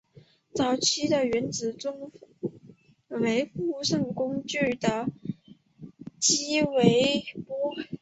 早期的原子钟为附上工具的激微波。